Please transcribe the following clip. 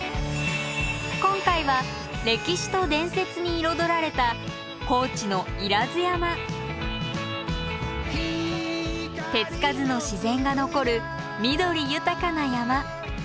今回は歴史と伝説に彩られた高知の手付かずの自然が残る緑豊かな山。